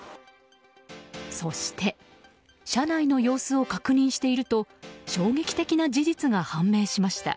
そして車内の様子を確認していると衝撃的な事実が判明しました。